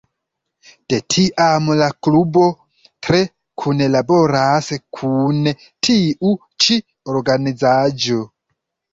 De tiam la klubo tre kunlaboras kun tiu ĉi organizaĵo.